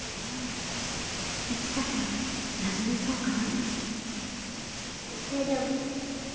いちかちゃんなじめそうかな？